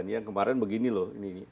yang kemarin begini loh